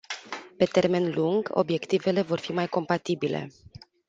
Pe termen lung, obiectivele vor fi mai compatibile.